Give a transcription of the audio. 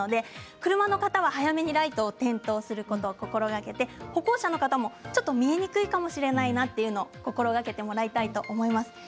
車の方は早めにライトを点灯することを心がけて歩行者の方見えにくいかもしれないと心がけていただきたいと思います。